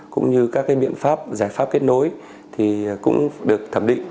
cũng như các biện pháp giải pháp kết nối thì cũng được thẩm định